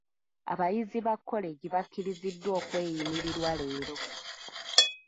Abayizi ba kkolegi bakkiriziddwa okweyimirirwa leero.